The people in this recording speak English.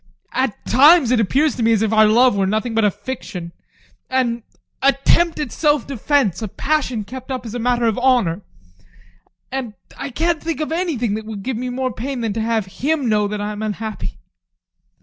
At times it appears to me as if our love were nothing but a fiction, an attempt at self defence, a passion kept up as a matter of honor and I can't think of anything that would give me more pain than to have HIM know that I am unhappy.